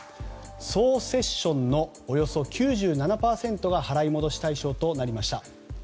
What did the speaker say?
総セッションのおよそ９７％が払い戻し対象となりました。